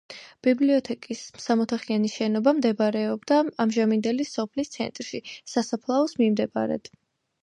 ბიბლიოთეკის სამოთახიანი შენობა მდებარეობდა ამჟამინდელი სოფლის ცენტრში, სასაფლაოს მიმდებარედ.